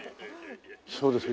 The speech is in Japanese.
そうですか。